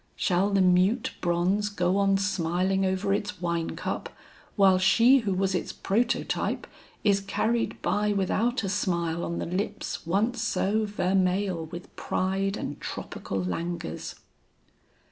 Shall the mute bronze go on smiling over its wine cup while she who was its prototype is carried by without a smile on the lips once so vermeil with pride and tropical languors!